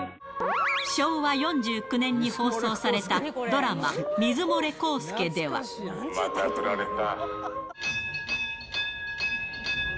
昭和４９年に放送されたドラマ、また振られた。